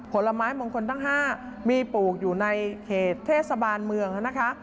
ผลไม้มงคลทั้ง๕มีปลูกอยู่ในเขตเทศบาลเมืองนะคะ